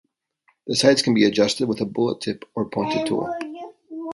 The sights can be adjusted with a bullet tip or pointed tool.